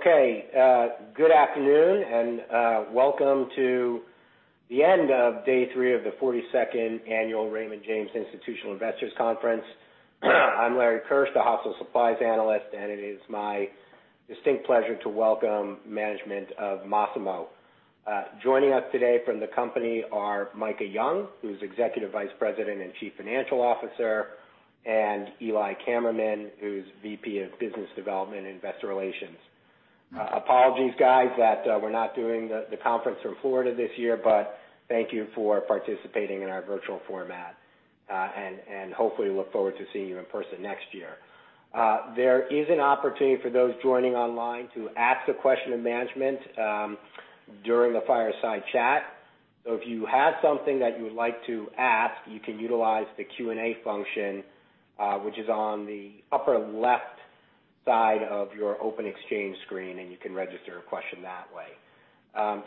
Okay. Good afternoon and welcome to the end of day three of the 42nd Annual Raymond James Institutional Investors Conference. I'm Larry Keusch, the Healthcare Analyst, and it is my distinct pleasure to welcome management of Masimo. Joining us today from the company are Micah Young, who's Executive Vice President and Chief Financial Officer, and Eli Kammerman, who's VP of Business Development and Investor Relations. Apologies, guys, that we're not doing the conference from Florida this year, but thank you for participating in our virtual format, and hopefully look forward to seeing you in person next year. There is an opportunity for those joining online to ask a question to management during the fireside chat. So if you have something that you would like to ask, you can utilize the Q&A function, which is on the upper left side of your OpenExchange screen, and you can register a question that way.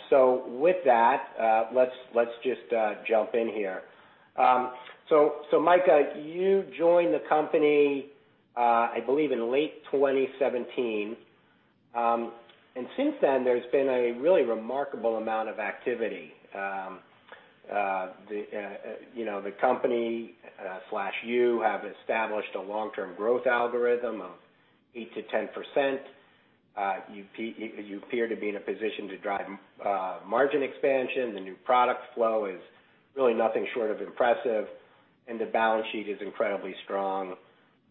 So with that, let's just jump in here. So Micah, you joined the company, I believe, in late 2017, and since then there's been a really remarkable amount of activity. The company, you have established a long-term growth algorithm of 8%-10%. You appear to be in a position to drive margin expansion. The new product flow is really nothing short of impressive, and the balance sheet is incredibly strong,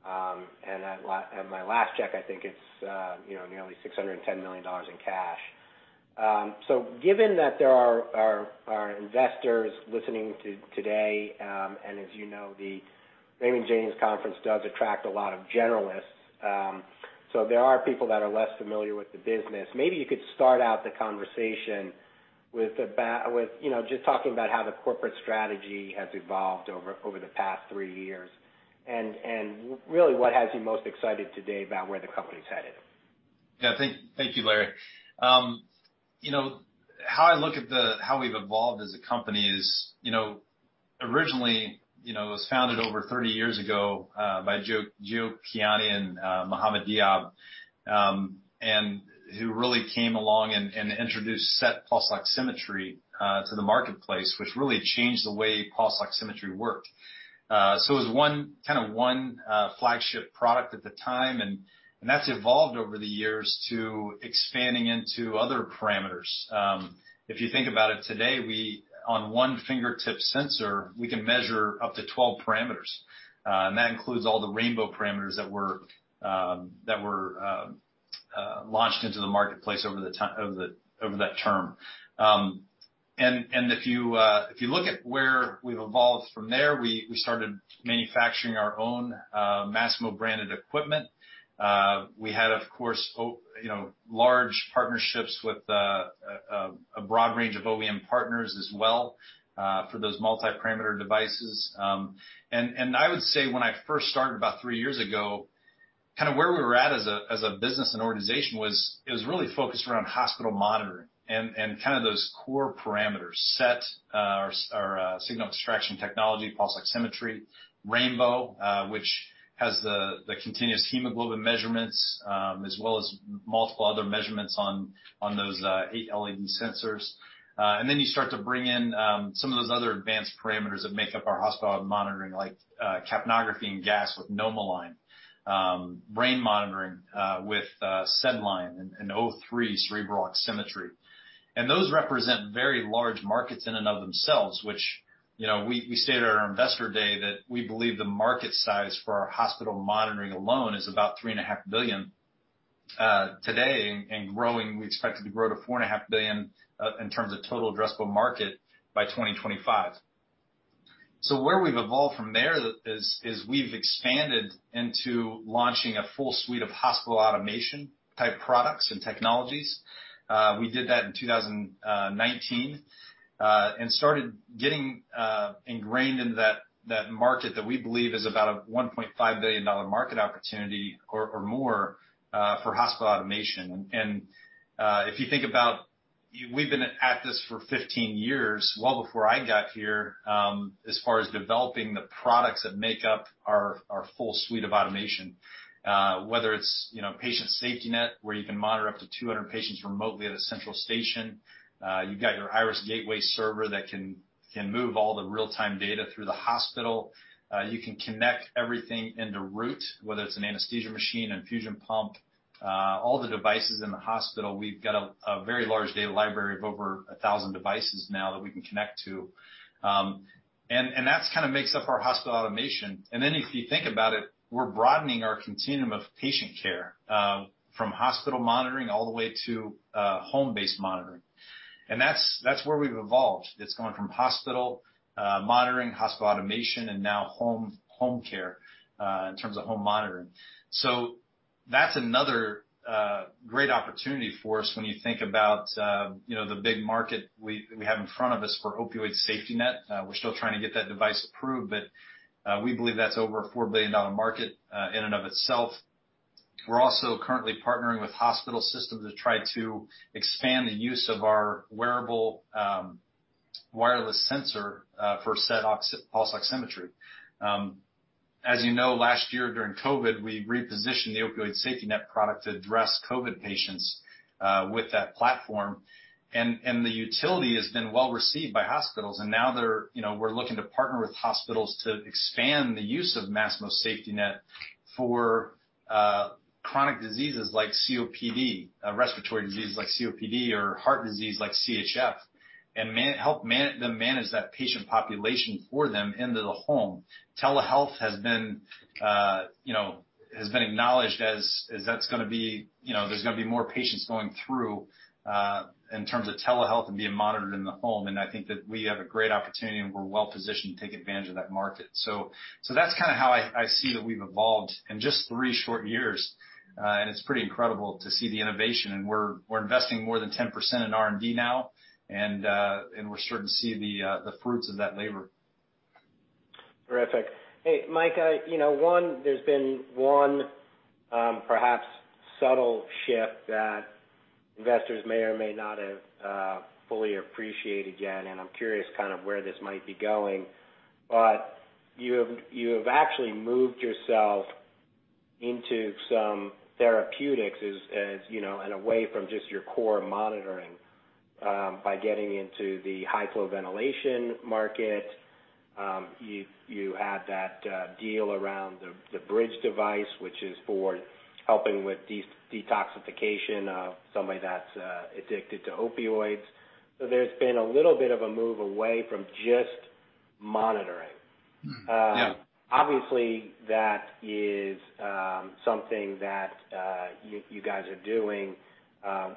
and at my last check, I think it's nearly $610 million in cash. So given that there are investors listening today, and as you know, the Raymond James Conference does attract a lot of generalists, so there are people that are less familiar with the business. Maybe you could start out the conversation with just talking about how the corporate strategy has evolved over the past three years, and really what has you most excited today about where the company's headed. Yeah. Thank you, Larry. How I look at how we've evolved as a company is originally it was founded over 30 years ago by Joe Kiani and Mohamed Diab, who really came along and introduced SET pulse oximetry to the marketplace, which really changed the way pulse oximetry worked. So it was kind of one flagship product at the time, and that's evolved over the years to expanding into other parameters. If you think about it today, on one fingertip sensor, we can measure up to 12 parameters, and that includes all the Rainbow parameters that were launched into the marketplace over that term, and if you look at where we've evolved from there, we started manufacturing our own Masimo branded equipment. We had, of course, large partnerships with a broad range of OEM partners as well for those multi-parameter devices. I would say when I first started about three years ago, kind of where we were at as a business and organization was it was really focused around hospital monitoring and kind of those core parameters: SET, or Signal Extraction Technology, pulse oximetry, Rainbow, which has the continuous hemoglobin measurements, as well as multiple other measurements on those eight LED sensors. Then you start to bring in some of those other advanced parameters that make up our hospital monitoring, like capnography and gas with NomoLine, brain monitoring with SedLine and O3 cerebral oximetry. Those represent very large markets in and of themselves, which we stated at our investor day that we believe the market size for our hospital monitoring alone is about $3.5 billion today, and growing. We expect it to grow to $4.5 billion in terms of total addressable market by 2025. Where we've evolved from there is we've expanded into launching a full suite of hospital automation-type products and technologies. We did that in 2019 and started getting ingrained into that market that we believe is about a $1.5 billion market opportunity or more for hospital automation. And if you think about we've been at this for 15 years, well before I got here, as far as developing the products that make up our full suite of automation, whether it's Patient SafetyNet, where you can monitor up to 200 patients remotely at a central station, you've got your Iris Gateway server that can move all the real-time data through the hospital, you can connect everything into Root, whether it's an anesthesia machine, infusion pump, all the devices in the hospital. We've got a very large data library of over 1,000 devices now that we can connect to. And that's kind of makes up our hospital automation. And then if you think about it, we're broadening our continuum of patient care from hospital monitoring all the way to home-based monitoring. And that's where we've evolved. It's gone from hospital monitoring, hospital automation, and now home care in terms of home monitoring. So that's another great opportunity for us when you think about the big market we have in front of us for Opioid SafetyNet. We're still trying to get that device approved, but we believe that's over a $4 billion market in and of itself. We're also currently partnering with hospital systems to try to expand the use of our wearable wireless sensor for SET pulse oximetry. As you know, last year during COVID, we repositioned the Opioid SafetyNet product to address COVID patients with that platform. And the utility has been well received by hospitals. And now we're looking to partner with hospitals to expand the use of Masimo SafetyNet for chronic diseases like COPD, respiratory diseases like COPD, or heart disease like CHF, and help them manage that patient population for them into the home. Telehealth has been acknowledged as that's going to be more patients going through in terms of telehealth and being monitored in the home. And I think that we have a great opportunity, and we're well positioned to take advantage of that market. So that's kind of how I see that we've evolved in just three short years. And it's pretty incredible to see the innovation. And we're investing more than 10% in R&D now, and we're starting to see the fruits of that labor. Terrific. Hey, Micah, one, there's been one perhaps subtle shift that investors may or may not have fully appreciated yet. And I'm curious kind of where this might be going. But you have actually moved yourself into some therapeutics and away from just your core monitoring by getting into the high-flow ventilation market. You had that deal around the Bridge device, which is for helping with detoxification of somebody that's addicted to opioids. So there's been a little bit of a move away from just monitoring. Obviously, that is something that you guys are doing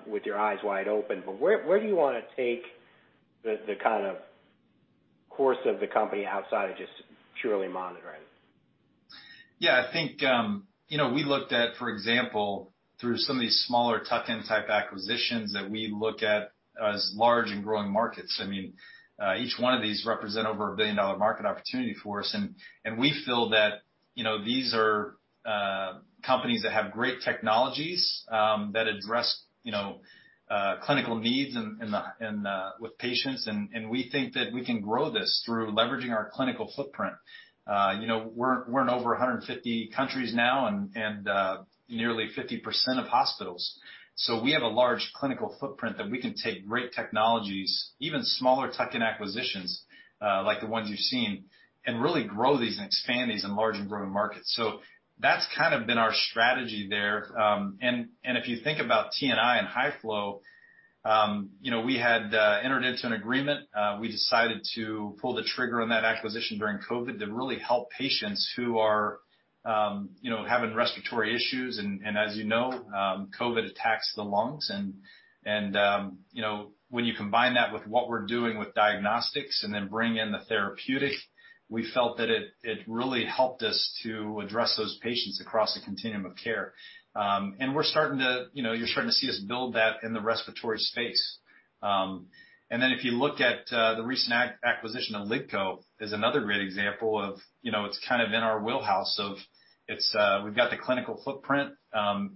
with your eyes wide open. But where do you want to take the kind of course of the company outside of just purely monitoring? Yeah. I think we looked at, for example, through some of these smaller tuck-in type acquisitions that we look at as large and growing markets. I mean, each one of these represents over a billion-dollar market opportunity for us. And we feel that these are companies that have great technologies that address clinical needs with patients. And we think that we can grow this through leveraging our clinical footprint. We're in over 150 countries now and nearly 50% of hospitals. So we have a large clinical footprint that we can take great technologies, even smaller tuck-in acquisitions like the ones you've seen, and really grow these and expand these in large and growing markets. So that's kind of been our strategy there. And if you think about TNI and high-flow, we had entered into an agreement. We decided to pull the trigger on that acquisition during COVID to really help patients who are having respiratory issues. And as you know, COVID attacks the lungs. And when you combine that with what we're doing with diagnostics and then bring in the therapeutic, we felt that it really helped us to address those patients across the continuum of care. And you're starting to see us build that in the respiratory space. And then if you look at the recent acquisition of LiDCO, it's another great example of it's kind of in our wheelhouse of we've got the clinical footprint.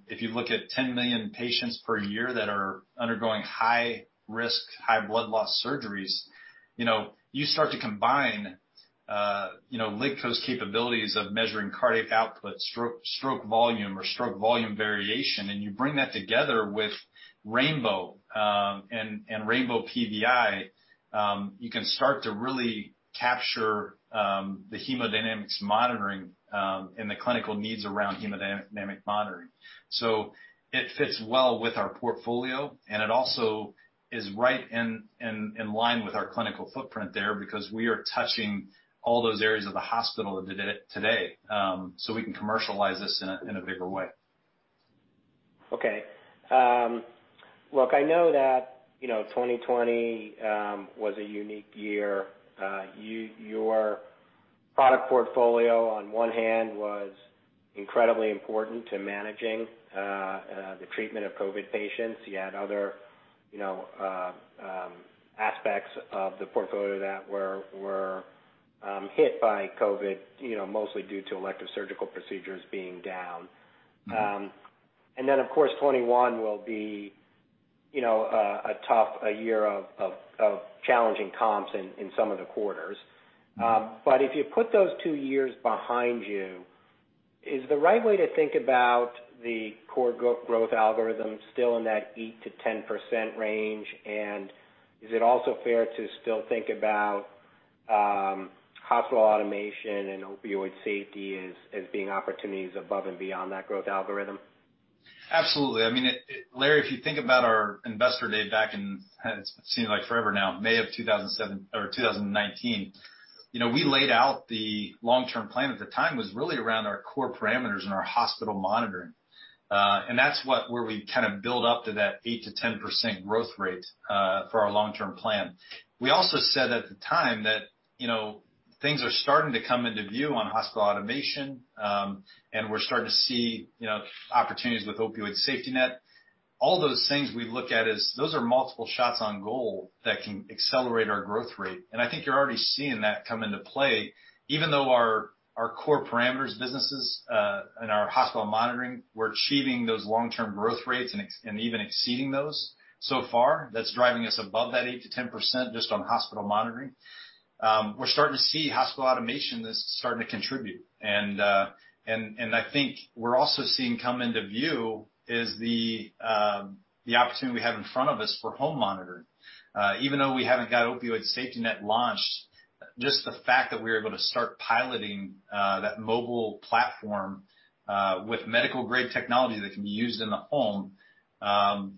If you look at 10 million patients per year that are undergoing high-risk, high-blood loss surgeries, you start to combine LiDCO's capabilities of measuring cardiac output, stroke volume, or stroke volume variation. And you bring that together with Rainbow and Rainbow PVI. You can start to really capture the hemodynamics monitoring and the clinical needs around hemodynamic monitoring. It fits well with our portfolio, and it also is right in line with our clinical footprint there because we are touching all those areas of the hospital today. We can commercialize this in a bigger way. Okay. Look, I know that 2020 was a unique year. Your product portfolio, on one hand, was incredibly important to managing the treatment of COVID patients. You had other aspects of the portfolio that were hit by COVID, mostly due to elective surgical procedures being down. And then, of course, 2021 will be a tough year of challenging comps in some of the quarters. But if you put those two years behind you, is the right way to think about the core growth algorithm still in that 8%-10% range? And is it also fair to still think about hospital automation and opioid safety as being opportunities above and beyond that growth algorithm? Absolutely. I mean, Larry, if you think about our investor day back in it seems like forever now, May of 2019, we laid out the long-term plan at the time was really around our core parameters and our hospital monitoring, and that's where we kind of build up to that 8%-10% growth rate for our long-term plan. We also said at the time that things are starting to come into view on hospital automation, and we're starting to see opportunities with Opioid SafetyNet. All those things we look at as those are multiple shots on goal that can accelerate our growth rate, and I think you're already seeing that come into play. Even though our core parameters, businesses, and our hospital monitoring, we're achieving those long-term growth rates and even exceeding those so far. That's driving us above that 8%-10% just on hospital monitoring. We're starting to see hospital automation is starting to contribute. And I think we're also seeing come into view is the opportunity we have in front of us for home monitoring. Even though we haven't got Opioid SafetyNet launched, just the fact that we're able to start piloting that mobile platform with medical-grade technology that can be used in the home,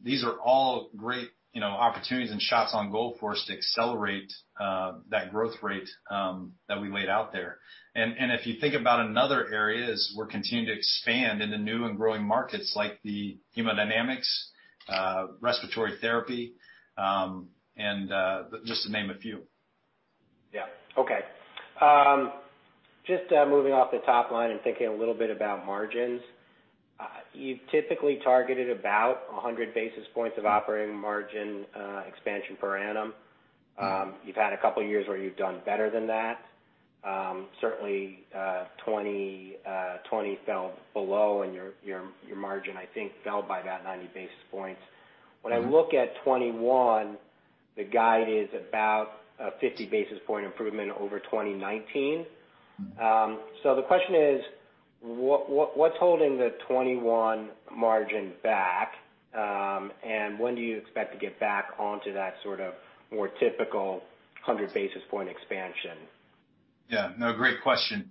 these are all great opportunities and shots on goal for us to accelerate that growth rate that we laid out there. And if you think about another area is we're continuing to expand into new and growing markets like the hemodynamics, respiratory therapy, and just to name a few. Yeah. Okay. Just moving off the top line and thinking a little bit about margins, you've typically targeted about 100 basis points of operating margin expansion per annum. You've had a couple of years where you've done better than that. Certainly, 2020 fell below, and your margin, I think, fell by about 90 basis points. When I look at 2021, the guide is about a 50 basis point improvement over 2019. So the question is, what's holding the 2021 margin back? And when do you expect to get back onto that sort of more typical 100 basis point expansion? Yeah. No, great question.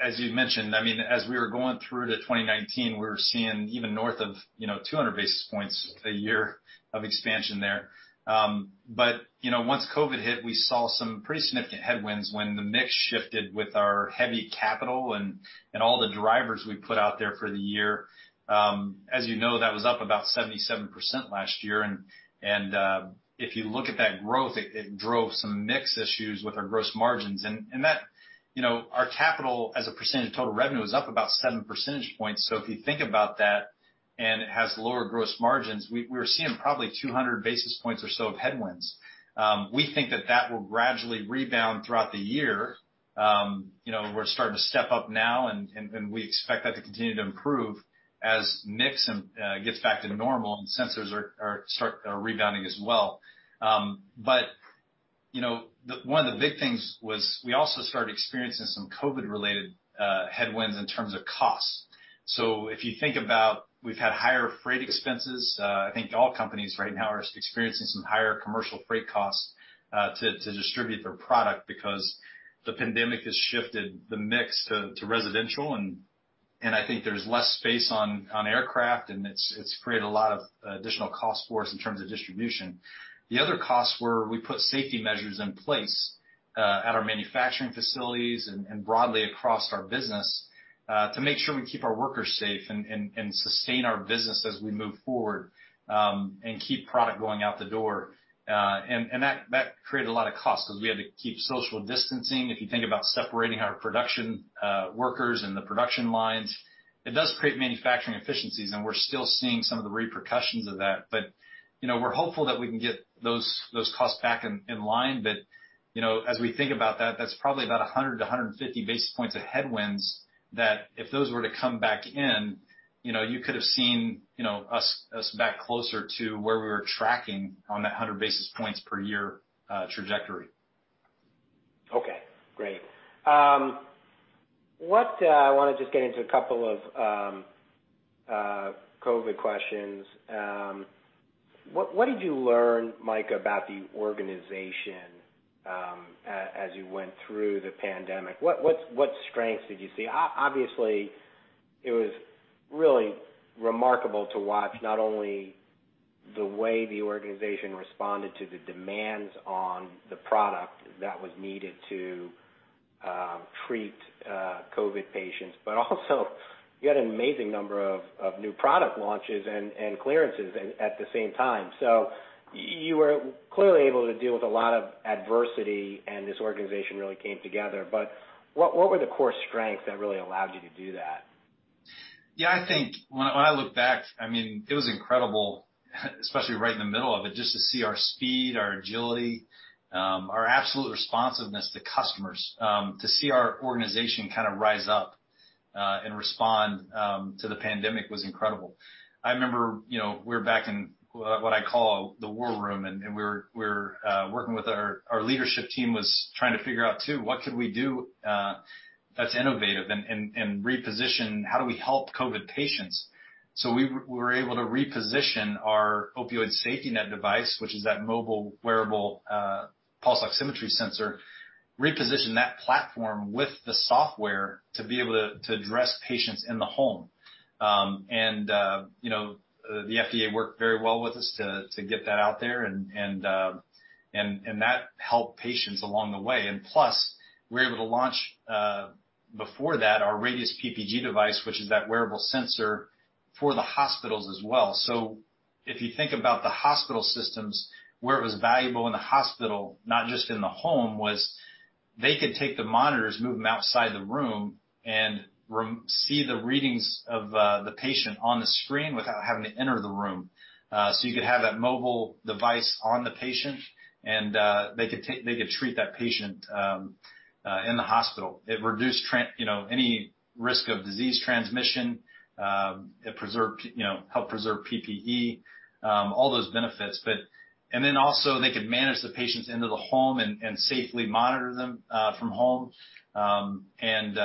As you mentioned, I mean, as we were going through to 2019, we were seeing even north of 200 basis points a year of expansion there. But once COVID hit, we saw some pretty significant headwinds when the mix shifted with our heavy capital and all the drivers we put out there for the year. As you know, that was up about 77% last year. And if you look at that growth, it drove some mix issues with our gross margins. And our capital as a percentage of total revenue is up about 7 percentage points. So if you think about that and it has lower gross margins, we were seeing probably 200 basis points or so of headwinds. We think that that will gradually rebound throughout the year. We're starting to step up now, and we expect that to continue to improve as mix gets back to normal and sensors start rebounding as well. But one of the big things was we also started experiencing some COVID-related headwinds in terms of costs. So if you think about, we've had higher freight expenses. I think all companies right now are experiencing some higher commercial freight costs to distribute their product because the pandemic has shifted the mix to residential. And I think there's less space on aircraft, and it's created a lot of additional cost for us in terms of distribution. The other costs were we put safety measures in place at our manufacturing facilities and broadly across our business to make sure we keep our workers safe and sustain our business as we move forward and keep product going out the door. That created a lot of costs because we had to keep social distancing. If you think about separating our production workers and the production lines, it does create manufacturing efficiencies, and we're still seeing some of the repercussions of that. We're hopeful that we can get those costs back in line. As we think about that, that's probably about 100-150 basis points of headwinds that if those were to come back in, you could have seen us back closer to where we were tracking on that 100 basis points per year trajectory. Okay. Great. I want to just get into a couple of COVID questions. What did you learn, Micah, about the organization as you went through the pandemic? What strengths did you see? Obviously, it was really remarkable to watch not only the way the organization responded to the demands on the product that was needed to treat COVID patients, but also you had an amazing number of new product launches and clearances at the same time. So you were clearly able to deal with a lot of adversity, and this organization really came together. But what were the core strengths that really allowed you to do that? Yeah. I think when I look back, I mean, it was incredible, especially right in the middle of it, just to see our speed, our agility, our absolute responsiveness to customers. To see our organization kind of rise up and respond to the pandemic was incredible. I remember we were back in what I call the war room, and we were working with our leadership team was trying to figure out, too, what could we do that's innovative and reposition how do we help COVID patients, so we were able to reposition our Opioid SafetyNet device, which is that mobile wearable pulse oximetry sensor, reposition that platform with the software to be able to address patients in the home, and the FDA worked very well with us to get that out there, and that helped patients along the way. Plus, we were able to launch before that our Radius PPG device, which is that wearable sensor for the hospitals as well. So if you think about the hospital systems, where it was valuable in the hospital, not just in the home, was they could take the monitors, move them outside the room, and see the readings of the patient on the screen without having to enter the room. So you could have that mobile device on the patient, and they could treat that patient in the hospital. It reduced any risk of disease transmission. It helped preserve PPE, all those benefits. And then also, they could manage the patients into the home and safely monitor them from home and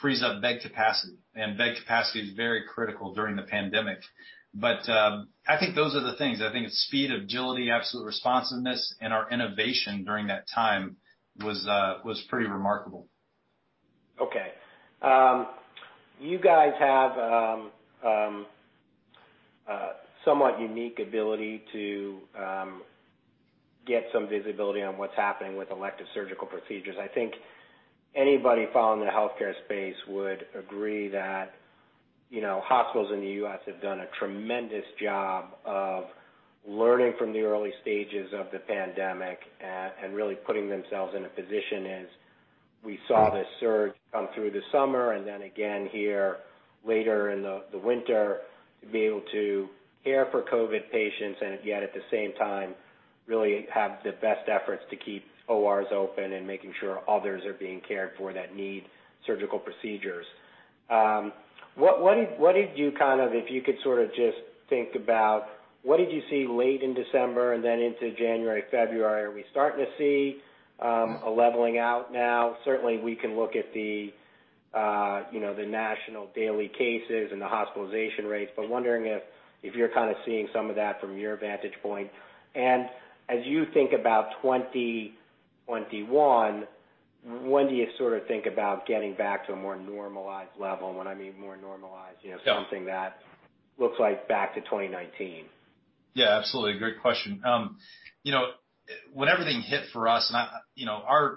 free up bed capacity. And bed capacity is very critical during the pandemic. But I think those are the things. I think it's speed, agility, absolute responsiveness, and our innovation during that time was pretty remarkable. Okay. You guys have a somewhat unique ability to get some visibility on what's happening with elective surgical procedures. I think anybody following the healthcare space would agree that hospitals in the U.S. have done a tremendous job of learning from the early stages of the pandemic and really putting themselves in a position as we saw this surge come through the summer and then again here later in the winter to be able to care for COVID patients and yet at the same time really have the best efforts to keep ORs open and making sure others are being cared for that need surgical procedures. What did you kind of if you could sort of just think about what did you see late in December and then into January, February, are we starting to see a leveling out now? Certainly, we can look at the national daily cases and the hospitalization rates, but wondering if you're kind of seeing some of that from your vantage point. And as you think about 2021, when do you sort of think about getting back to a more normalized level? And when I mean more normalized, something that looks like back to 2019. Yeah. Absolutely. Great question. When everything hit for us, our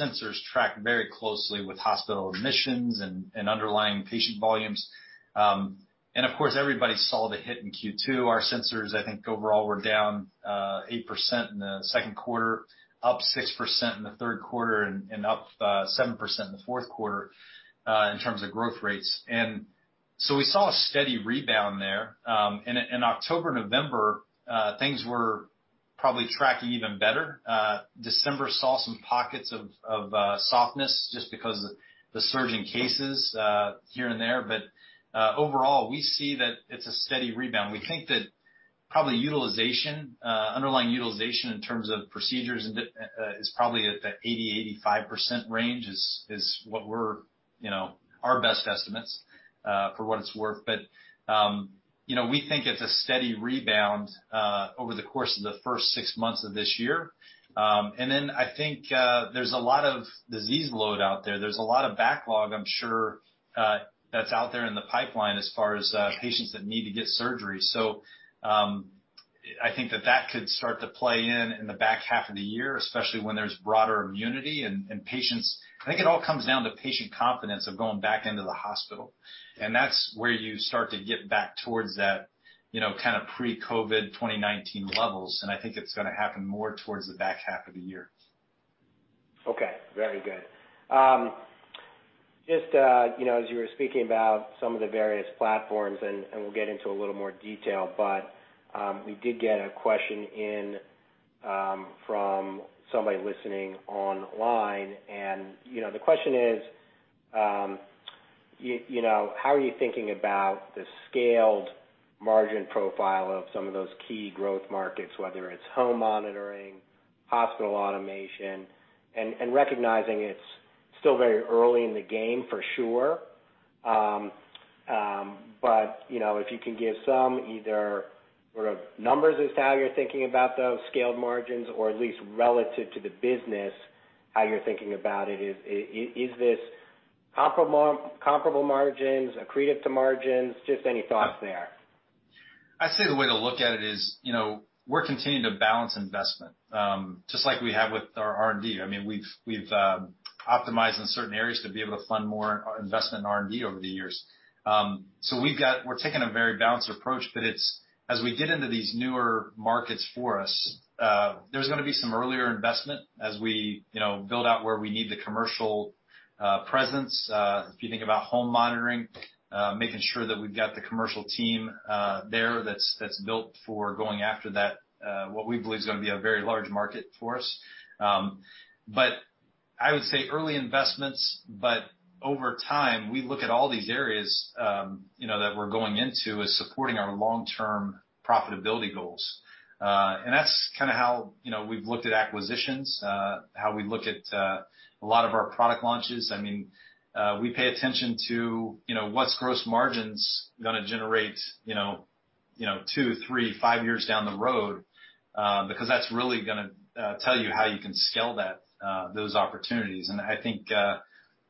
sensors tracked very closely with hospital admissions and underlying patient volumes. And of course, everybody saw the hit in Q2. Our sensors, I think overall, were down 8% in the second quarter, up 6% in the third quarter, and up 7% in the fourth quarter in terms of growth rates. And so we saw a steady rebound there. In October and November, things were probably tracking even better. December saw some pockets of softness just because of the surge in cases here and there. But overall, we see that it's a steady rebound. We think that probably utilization, underlying utilization in terms of procedures, is probably at the 80-85% range, which were our best estimates for what it's worth. But we think it's a steady rebound over the course of the first six months of this year. Then I think there's a lot of disease load out there. There's a lot of backlog, I'm sure, that's out there in the pipeline as far as patients that need to get surgery. I think that could start to play in the back half of the year, especially when there's broader immunity and patients. I think it all comes down to patient confidence of going back into the hospital. That's where you start to get back towards that kind of pre-COVID 2019 levels. I think it's going to happen more towards the back half of the year. Okay. Very good. Just as you were speaking about some of the various platforms, and we'll get into a little more detail, but we did get a question in from somebody listening online. And the question is, how are you thinking about the scaled margin profile of some of those key growth markets, whether it's home monitoring, hospital automation, and recognizing it's still very early in the game for sure. But if you can give some either sort of numbers as to how you're thinking about those scaled margins or at least relative to the business, how you're thinking about it, is this comparable margins, accretive to margins, just any thoughts there? I'd say the way to look at it is we're continuing to balance investment just like we have with our R&D. I mean, we've optimized in certain areas to be able to fund more investment in R&D over the years. So we're taking a very balanced approach, but as we get into these newer markets for us, there's going to be some earlier investment as we build out where we need the commercial presence. If you think about home monitoring, making sure that we've got the commercial team there that's built for going after that, what we believe is going to be a very large market for us. But I would say early investments, but over time, we look at all these areas that we're going into as supporting our long-term profitability goals. And that's kind of how we've looked at acquisitions, how we look at a lot of our product launches. I mean, we pay attention to what's gross margins going to generate two, three, five years down the road because that's really going to tell you how you can scale those opportunities. And I think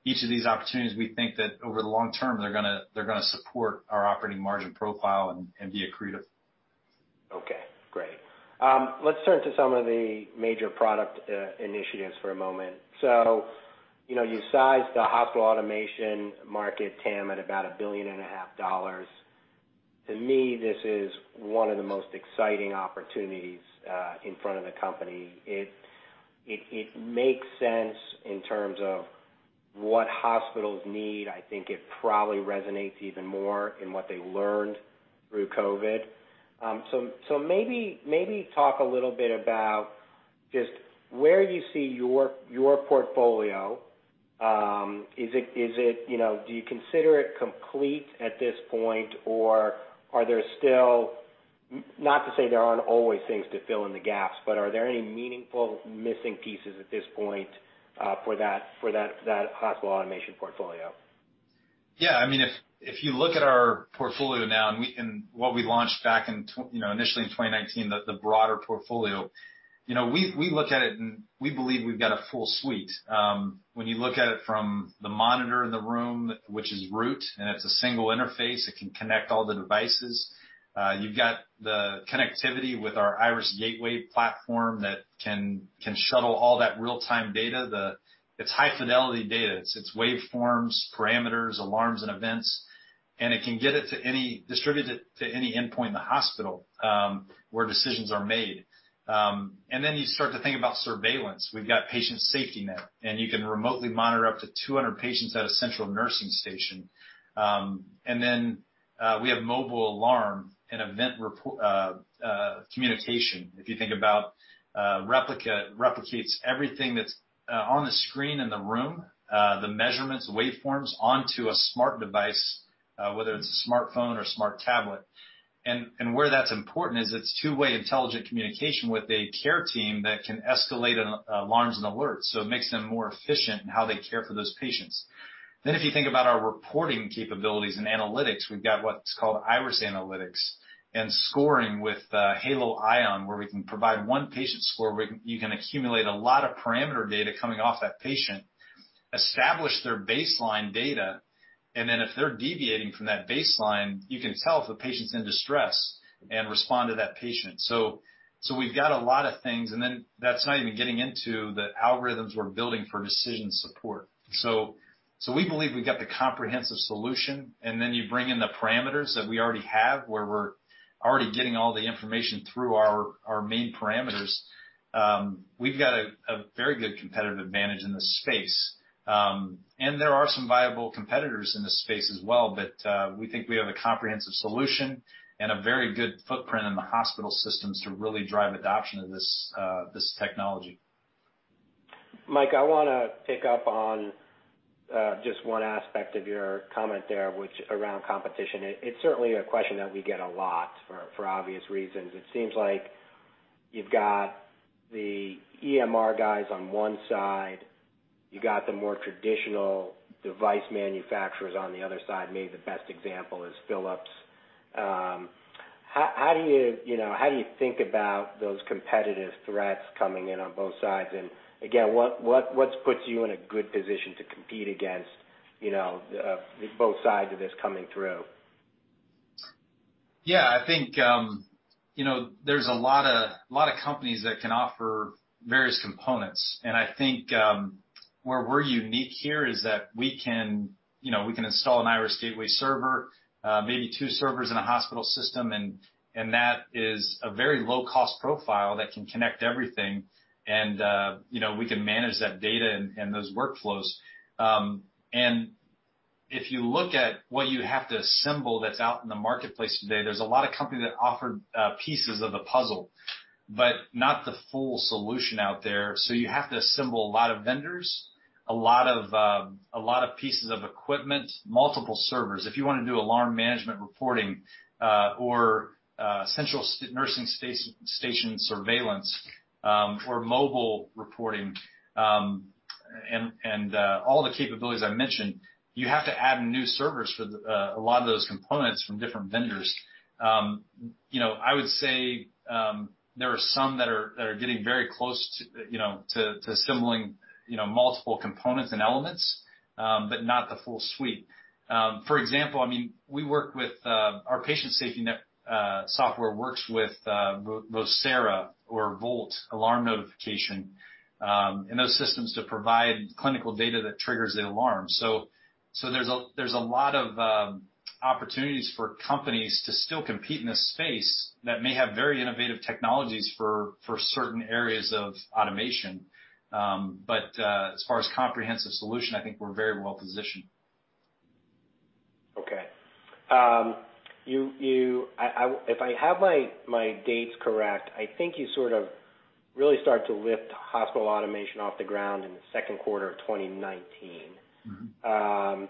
each of these opportunities, we think that over the long term, they're going to support our operating margin profile and be accretive. Okay. Great. Let's turn to some of the major product initiatives for a moment. So you sized the hospital automation market, TAM, at about $1.5 billion. To me, this is one of the most exciting opportunities in front of the company. It makes sense in terms of what hospitals need. I think it probably resonates even more in what they learned through COVID. So maybe talk a little bit about just where you see your portfolio. Do you consider it complete at this point, or are there still not to say there aren't always things to fill in the gaps, but are there any meaningful missing pieces at this point for that hospital automation portfolio? Yeah. I mean, if you look at our portfolio now and what we launched back initially in 2019, the broader portfolio, we look at it and we believe we've got a full suite. When you look at it from the monitor in the room, which is Root, and it's a single interface, it can connect all the devices. You've got the connectivity with our Iris Gateway platform that can shuttle all that real-time data. It's high-fidelity data. It's waveforms, parameters, alarms, and events. And it can get it distributed to any endpoint in the hospital where decisions are made. And then you start to think about surveillance. We've got Patient SafetyNet, and you can remotely monitor up to 200 patients at a central nursing station. And then we have mobile alarm and event communication. If you think about Replica, it replicates everything that's on the screen in the room, the measurements, waveforms onto a smart device, whether it's a smartphone or smart tablet, and where that's important is it's two-way intelligent communication with a care team that can escalate alarms and alerts, so it makes them more efficient in how they care for those patients, then if you think about our reporting capabilities and analytics, we've got what's called Iris Analytics and scoring with Halo ION, where we can provide one patient score where you can accumulate a lot of parameter data coming off that patient, establish their baseline data, and then if they're deviating from that baseline, you can tell if the patient's in distress and respond to that patient, so we've got a lot of things, and then that's not even getting into the algorithms we're building for decision support. So we believe we've got the comprehensive solution. And then you bring in the parameters that we already have where we're already getting all the information through our main parameters. We've got a very good competitive advantage in this space. And there are some viable competitors in this space as well, but we think we have a comprehensive solution and a very good footprint in the hospital systems to really drive adoption of this technology. Micah, I want to pick up on just one aspect of your comment there, which is around competition. It's certainly a question that we get a lot for obvious reasons. It seems like you've got the EMR guys on one side. You've got the more traditional device manufacturers on the other side. Maybe the best example is Philips. How do you think about those competitive threats coming in on both sides? And again, what puts you in a good position to compete against both sides of this coming through? Yeah. I think there's a lot of companies that can offer various components. And I think where we're unique here is that we can install an Iris Gateway server, maybe two servers in a hospital system, and that is a very low-cost profile that can connect everything. And we can manage that data and those workflows. And if you look at what you have to assemble that's out in the marketplace today, there's a lot of companies that offer pieces of the puzzle, but not the full solution out there. So you have to assemble a lot of vendors, a lot of pieces of equipment, multiple servers. If you want to do alarm management reporting or central nursing station surveillance or mobile reporting and all the capabilities I mentioned, you have to add new servers for a lot of those components from different vendors. I would say there are some that are getting very close to assembling multiple components and elements, but not the full suite. For example, I mean, our Patient SafetyNet software works with Vocera or Voalte alarm notification and those systems to provide clinical data that triggers the alarm. So there's a lot of opportunities for companies to still compete in this space that may have very innovative technologies for certain areas of automation. But as far as comprehensive solution, I think we're very well positioned. Okay. If I have my dates correct, I think you sort of really start to lift hospital automation off the ground in the second quarter of 2019. I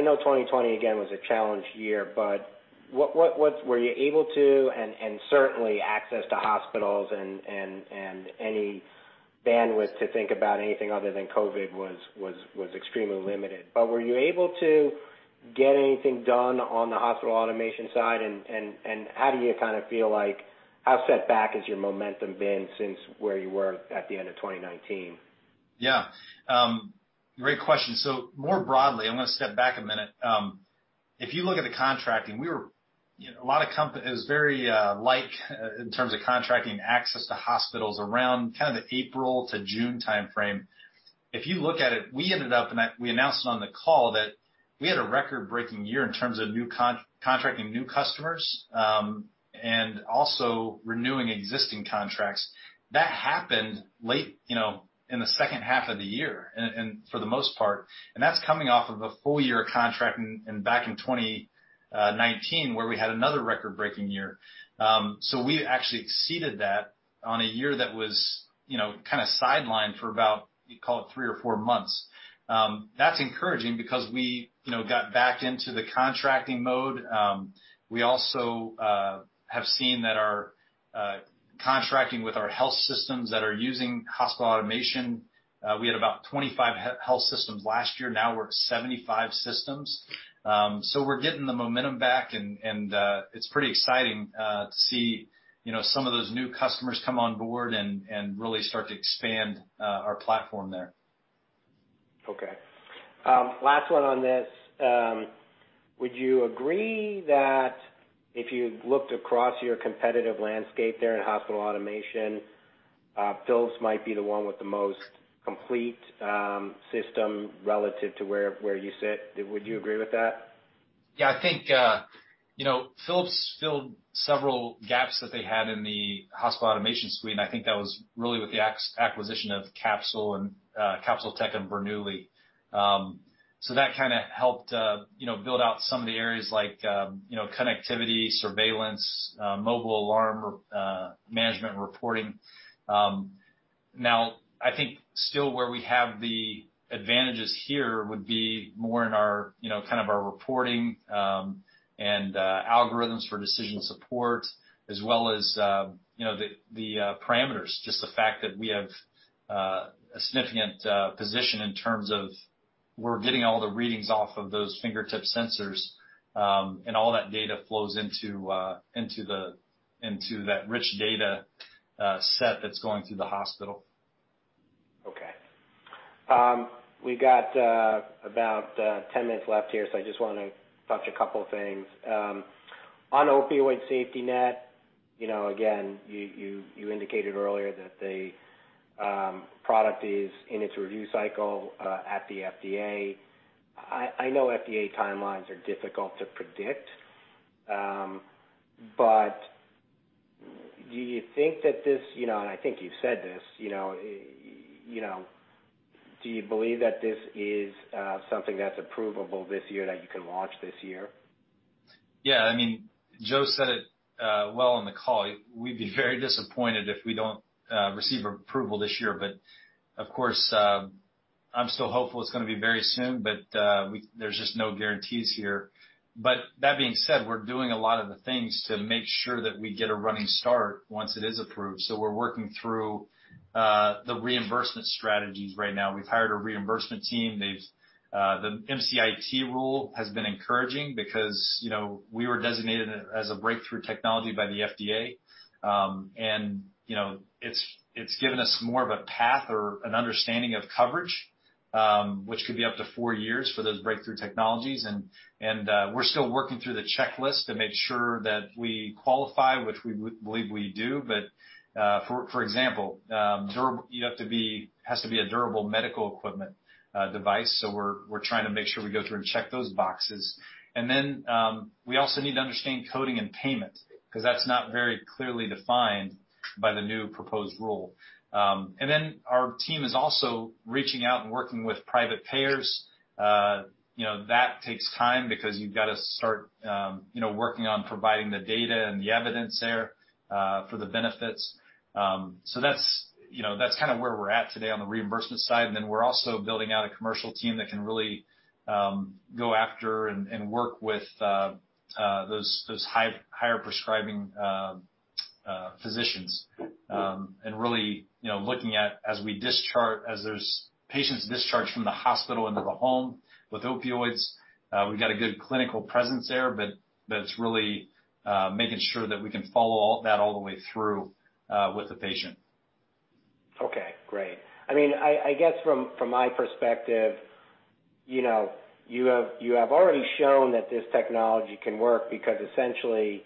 know 2020, again, was a challenge year, but were you able to, and certainly access to hospitals and any bandwidth to think about anything other than COVID was extremely limited. But were you able to get anything done on the hospital automation side? And how do you kind of feel like how set back has your momentum been since where you were at the end of 2019? Yeah. Great question, so more broadly, I'm going to step back a minute. If you look at the contracting, we were a lot of companies. It was very light in terms of contracting access to hospitals around kind of the April to June timeframe. If you look at it, we ended up, and we announced on the call that we had a record-breaking year in terms of contracting new customers and also renewing existing contracts. That happened late in the second half of the year for the most part, and that's coming off of a full year of contracting back in 2019 where we had another record-breaking year, so we actually exceeded that on a year that was kind of sidelined for about, you call it, three or four months. That's encouraging because we got back into the contracting mode. We also have seen that our contracting with our health systems that are using hospital automation, we had about 25 health systems last year. Now we're at 75 systems, so we're getting the momentum back, and it's pretty exciting to see some of those new customers come on board and really start to expand our platform there. Okay. Last one on this. Would you agree that if you looked across your competitive landscape there in hospital automation, Philips might be the one with the most complete system relative to where you sit? Would you agree with that? Yeah. I think Philips filled several gaps that they had in the hospital automation suite. And I think that was really with the acquisition of Capsule Technologies and Bernoulli Health. So that kind of helped build out some of the areas like connectivity, surveillance, mobile alarm management reporting. Now, I think still where we have the advantages here would be more in kind of our reporting and algorithms for decision support, as well as the parameters, just the fact that we have a significant position in terms of we're getting all the readings off of those fingertip sensors, and all that data flows into that rich data set that's going through the hospital. Okay. We've got about 10 minutes left here, so I just want to touch a couple of things. On Opioid SafetyNet, again, you indicated earlier that the product is in its review cycle at the FDA. I know FDA timelines are difficult to predict, but do you think that this, and I think you've said this, do you believe that this is something that's approvable this year that you can launch this year? Yeah. I mean, Joe said it well on the call. We'd be very disappointed if we don't receive approval this year, but of course, I'm still hopeful it's going to be very soon, but there's just no guarantees here, but that being said, we're doing a lot of the things to make sure that we get a running start once it is approved, so we're working through the reimbursement strategies right now. We've hired a reimbursement team. The MCIT rule has been encouraging because we were designated as a breakthrough technology by the FDA, and it's given us more of a path or an understanding of coverage, which could be up to four years for those breakthrough technologies, and we're still working through the checklist to make sure that we qualify, which we believe we do, but for example, it has to be a durable medical equipment device. So we're trying to make sure we go through and check those boxes, and then we also need to understand coding and payment because that's not very clearly defined by the new proposed rule. And then our team is also reaching out and working with private payers. That takes time because you've got to start working on providing the data and the evidence there for the benefits. So that's kind of where we're at today on the reimbursement side, and then we're also building out a commercial team that can really go after and work with those higher prescribing physicians and really looking at, as there's patients discharged from the hospital into the home with opioids, we've got a good clinical presence there, but it's really making sure that we can follow that all the way through with the patient. Okay. Great. I mean, I guess from my perspective, you have already shown that this technology can work because essentially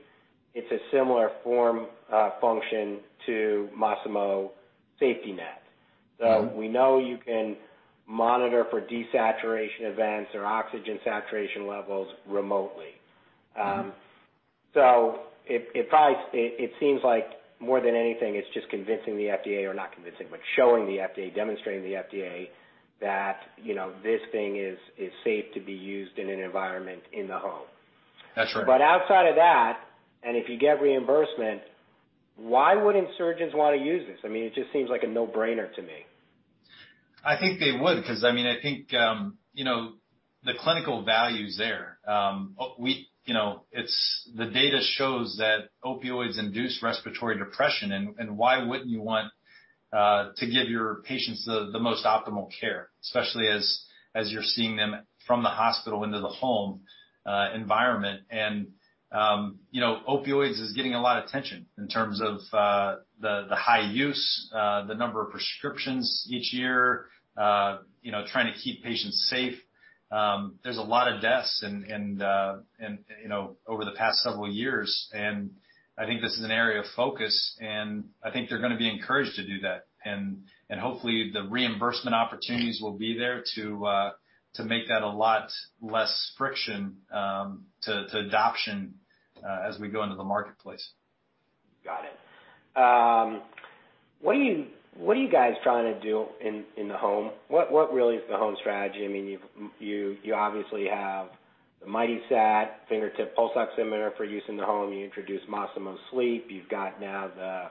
it's a similar form function to Masimo SafetyNet. So we know you can monitor for desaturation events or oxygen saturation levels remotely. So it seems like more than anything, it's just convincing the FDA or not convincing, but showing the FDA, demonstrating the FDA that this thing is safe to be used in an environment in the home. That's right. But outside of that, and if you get reimbursement, why wouldn't surgeons want to use this? I mean, it just seems like a no-brainer to me. I think they would because, I mean, I think the clinical value's there. The data shows that opioids induce respiratory depression. And why wouldn't you want to give your patients the most optimal care, especially as you're seeing them from the hospital into the home environment? And opioids is getting a lot of attention in terms of the high use, the number of prescriptions each year, trying to keep patients safe. There's a lot of deaths over the past several years. And I think this is an area of focus. And I think they're going to be encouraged to do that. And hopefully, the reimbursement opportunities will be there to make that a lot less friction to adoption as we go into the marketplace. Got it. What are you guys trying to do in the home? What really is the home strategy? I mean, you obviously have the MightySat, fingertip pulse oximeter for use in the home. You introduced Masimo Sleep. You've got now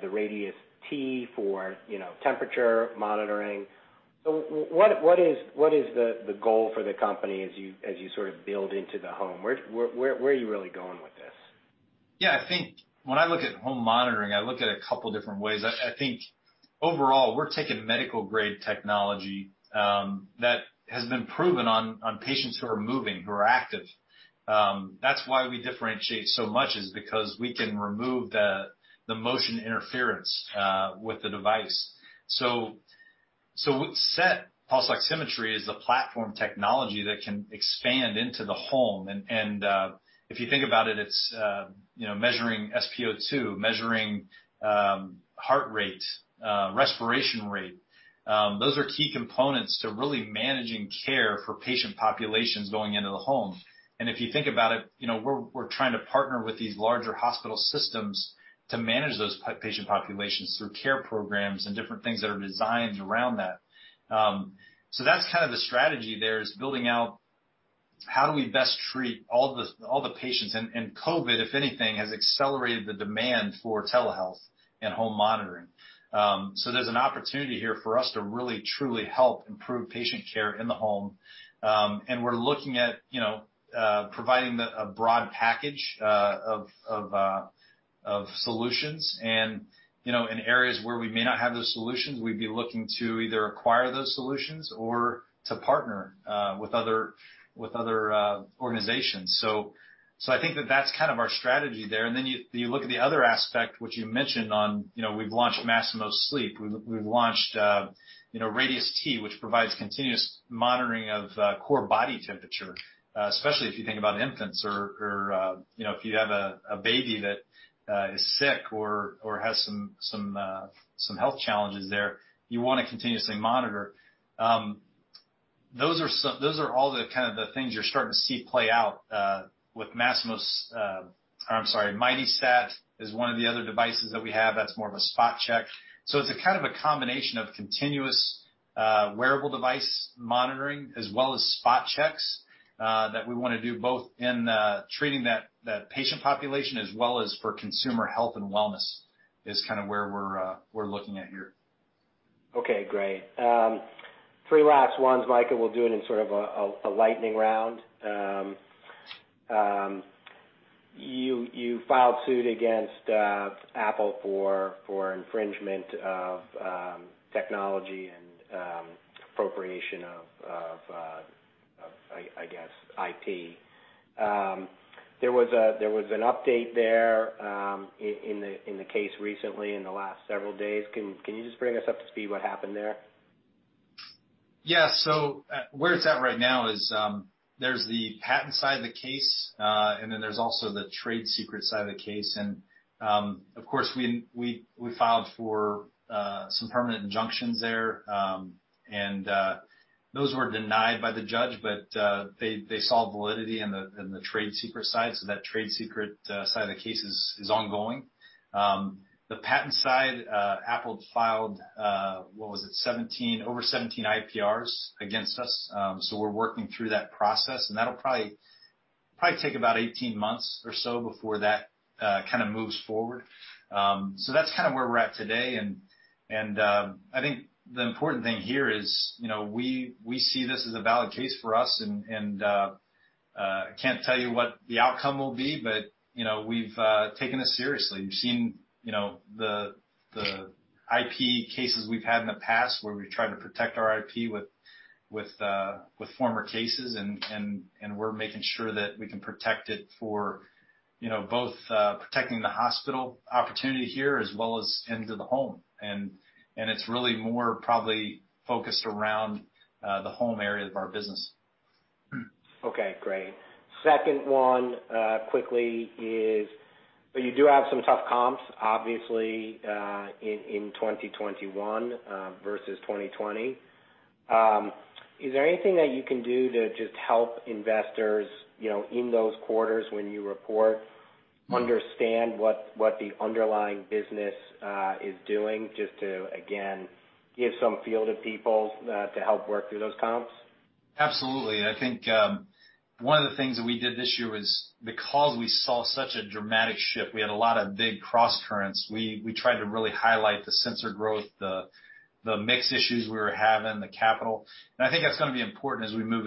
the Radius T for temperature monitoring. So what is the goal for the company as you sort of build into the home? Where are you really going with this? Yeah. I think when I look at home monitoring, I look at a couple of different ways. I think overall, we're taking medical-grade technology that has been proven on patients who are moving, who are active. That's why we differentiate so much is because we can remove the motion interference with the device. So pulse oximetry is a platform technology that can expand into the home. And if you think about it, it's measuring SpO2, measuring heart rate, respiration rate. Those are key components to really managing care for patient populations going into the home. And if you think about it, we're trying to partner with these larger hospital systems to manage those patient populations through care programs and different things that are designed around that. So that's kind of the strategy there is building out how do we best treat all the patients. COVID, if anything, has accelerated the demand for telehealth and home monitoring. So there's an opportunity here for us to really, truly help improve patient care in the home. And we're looking at providing a broad package of solutions. And in areas where we may not have those solutions, we'd be looking to either acquire those solutions or to partner with other organizations. So I think that that's kind of our strategy there. And then you look at the other aspect, which you mentioned, and we've launched Masimo Sleep. We've launched Radius T, which provides continuous monitoring of core body temperature, especially if you think about infants or if you have a baby that is sick or has some health challenges there, you want to continuously monitor. Those are all the kind of things you're starting to see play out with Masimo's. I'm sorry, MightySat is one of the other devices that we have. That's more of a spot check. So it's a kind of combination of continuous wearable device monitoring as well as spot checks that we want to do both in treating that patient population as well as for consumer health and wellness is kind of where we're looking at here. Okay. Great. Three last ones, Micah. We'll do it in sort of a lightning round. You filed suit against Apple for infringement of technology and appropriation of, I guess, IP. There was an update there in the case recently in the last several days. Can you just bring us up to speed what happened there? Yeah. So where it's at right now is there's the patent side of the case, and then there's also the trade secret side of the case. And of course, we filed for some permanent injunctions there, and those were denied by the judge, but they saw validity in the trade secret side. So that trade secret side of the case is ongoing. The patent side, Apple filed, what was it, over 17 IPRs against us. So we're working through that process. And that'll probably take about 18 months or so before that kind of moves forward. So that's kind of where we're at today. And I think the important thing here is we see this as a valid case for us. And I can't tell you what the outcome will be, but we've taken this seriously. We've seen the IP cases we've had in the past where we've tried to protect our IP with former cases. And we're making sure that we can protect it for both protecting the hospital opportunity here as well as into the home. And it's really more probably focused around the home area of our business. Okay. Great. Second one quickly is, but you do have some tough comps, obviously, in 2021 versus 2020. Is there anything that you can do to just help investors in those quarters when you report, understand what the underlying business is doing just to, again, give some feel to people to help work through those comps? Absolutely. I think one of the things that we did this year was because we saw such a dramatic shift, we had a lot of big cross currents. We tried to really highlight the sensor growth, the mix issues we were having, the capital. And I think that's going to be important as we move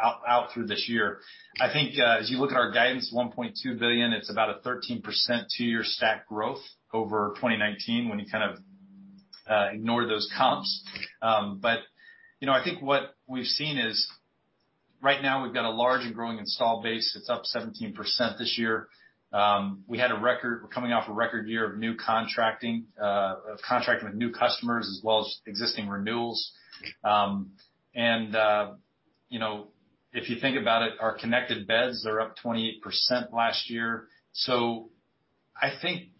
out through this year. I think as you look at our guidance, $1.2 billion, it's about a 13% two-year stack growth over 2019 when you kind of ignore those comps. But I think what we've seen is right now we've got a large and growing install base. It's up 17% this year. We had a record, we're coming off a record year of new contracting, contracting with new customers as well as existing renewals. And if you think about it, our connected beds are up 28% last year. So I think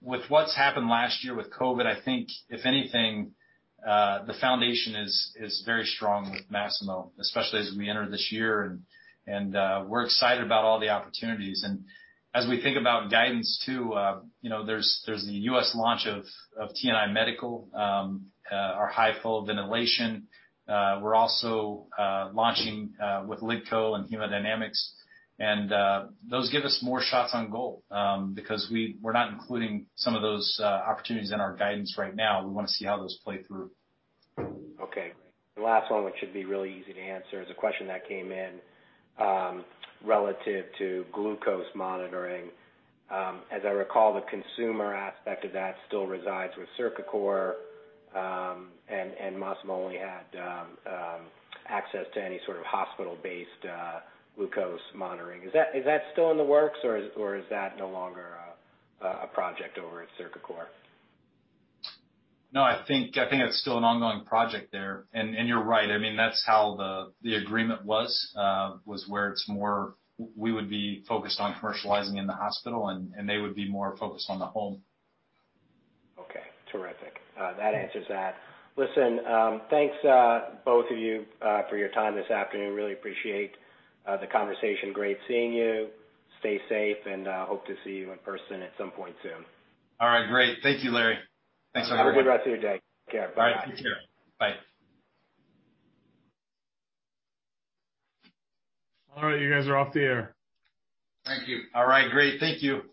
with what's happened last year with COVID, I think, if anything, the foundation is very strong with Masimo, especially as we enter this year. And we're excited about all the opportunities. And as we think about guidance too, there's the U.S. launch of TNI Medical, our high-flow ventilation. We're also launching with LiDCO and hemodynamics. And those give us more shots on goal because we're not including some of those opportunities in our guidance right now. We want to see how those play through. Okay. The last one, which should be really easy to answer, is a question that came in relative to glucose monitoring. As I recall, the consumer aspect of that still resides with Cercacor. And Masimo only had access to any sort of hospital-based glucose monitoring. Is that still in the works, or is that no longer a project over at Cercacor? No, I think it's still an ongoing project there, and you're right. I mean, that's how the agreement was, where it's more we would be focused on commercializing in the hospital, and they would be more focused on the home. Okay. Terrific. That answers that. Listen, thanks, both of you, for your time this afternoon. Really appreciate the conversation. Great seeing you. Stay safe, and hope to see you in person at some point soon. All right. Great. Thank you, Larry. Thanks, everyone. Have a good rest of your day. Take care. Bye-bye. All right. Take care. Bye. All right. You guys are off the air. Thank you. All right. Great. Thank you.